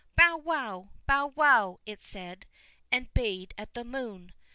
"Bow wow, bow wow," it said, and bayed at the moon.